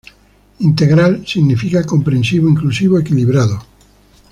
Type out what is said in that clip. Integral significa comprensivo, inclusivo, equilibrado.